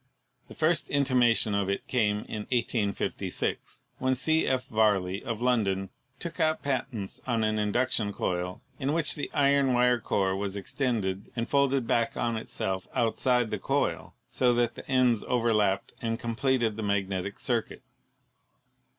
The first intimation of it came in 1856, when C. F. Varley, of Lon don, took out patents on an induction coil in which the iron wire core was extended and folded back on itself out side the coil, so that the ends overlapped and completed the magnetic circuit.